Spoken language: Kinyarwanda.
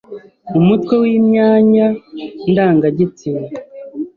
Umutwe wimyanya ndangagitsina